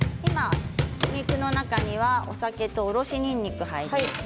ひき肉の中にはお酒とおろしにんにくが入りました。